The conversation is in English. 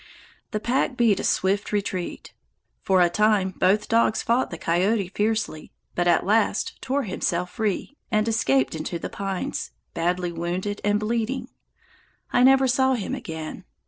The pack beat a swift retreat. For a time both dogs fought the coyote fiercely, but he at last tore himself free, and escaped into the pines, badly wounded and bleeding. I never saw him again.